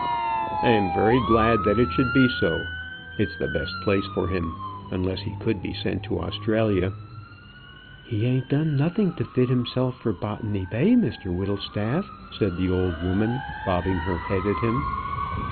"I am very glad that it should be so. It's the best place for him, unless he could be sent to Australia." "He ain't a done nothing to fit himself for Botany Bay, Mr Whittlestaff," said the old woman, bobbing her head at him.